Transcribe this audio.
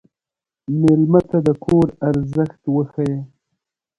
مېلمه ته د کور ارزښت وښیه.